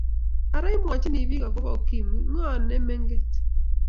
ara mwochini biik akobo ukimwi, ng'o nemenget?